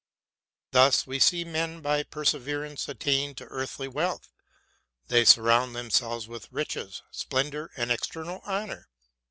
Thus we see men by perseverance attain to earthly wealth. They surround them selves with riches, splendor, and external honor.